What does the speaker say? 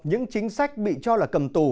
những chính sách bị cho là cầm tù